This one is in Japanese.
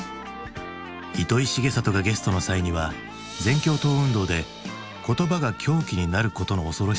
糸井重里がゲストの際には全共闘運動で言葉が凶器になることの恐ろしさを知る糸井に